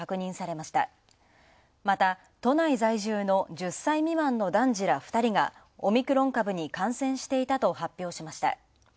また、都内在住の１０歳未満の男児ら２人が、オミクロン株に感染していたと発表しました。